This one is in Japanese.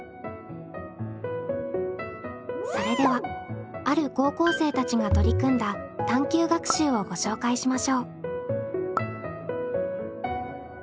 それではある高校生たちが取り組んだ探究学習をご紹介しましょう。